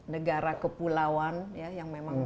negara kepulauan ya yang memang